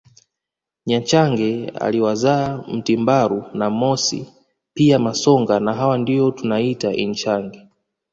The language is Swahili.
Nyanchage aliwazaa Mtimbaru na Mosi pia Mosonga na hawa ndio tunawaita inchage